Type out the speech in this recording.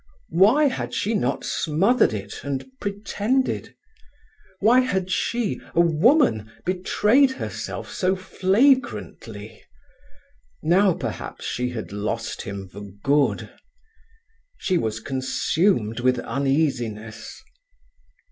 Why had she not smothered it and pretended? Why had she, a woman, betrayed herself so flagrantly? Now perhaps she had lost him for good. She was consumed with uneasiness.